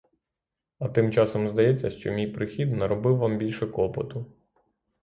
А тим часом здається, що мій прихід наробив вам більше клопоту.